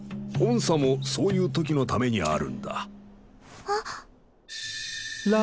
音叉もそういう時のためにあるんだ。